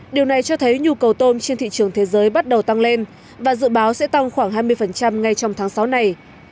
điều này cho thấy nhu cầu tôm trên thị trường thế giới bắt đầu tăng lên và dự báo sẽ tăng khoảng hai mươi ngay trong tháng sáu này